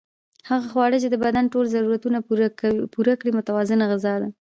هغه خواړه چې د بدن ټول ضرورتونه پوره کړي متوازنه غذا ده